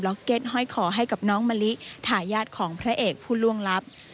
เก็ตห้อยคอให้กับน้องมะลิทายาทของพระเอกผู้ล่วงลับ